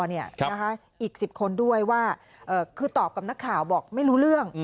อีก๑๐คนด้วยว่าคือตอบกับนักข่าวบอกไม่รู้เรื่อง